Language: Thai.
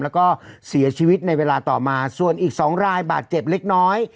แล้วก็เสียชีวิตในเวลาต่อมาส่วนอีก๒รายบาดเจ็บเล็กน้อย